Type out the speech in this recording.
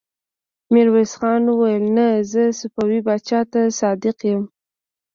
ميرويس خان وويل: نه! زه صفوي پاچا ته صادق يم.